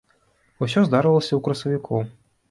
Усё здарылася ў красавіку.